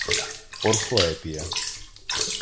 Орфоепія